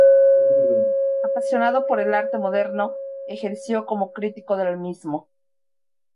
Apasionado por el arte moderno, ejerció como crítico del mismo.